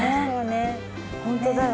本当だよね。